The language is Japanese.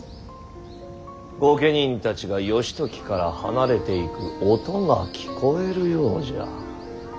御家人たちが義時から離れていく音が聞こえるようじゃ。